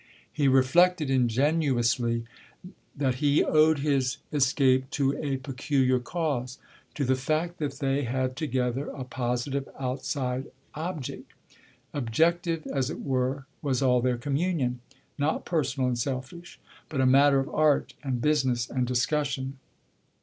He reflected ingeniously that he owed his escape to a peculiar cause to the fact that they had together a positive outside object. Objective, as it were, was all their communion; not personal and selfish, but a matter of art and business and discussion.